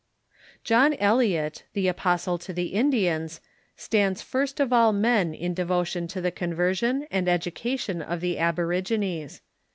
John Eliot, the Apostle to the Indians, stands first of all men in devotion to the conversion and education of the abo .._ rigines.